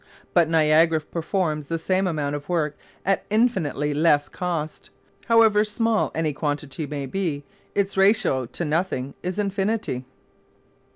But Niagara performs the same amount of work at infinitely less cost. However small any quantity may be, its ratio to nothing is infinity.